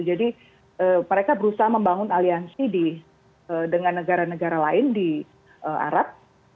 jadi mereka berusaha membangun aliansi dengan negara negara lain di arab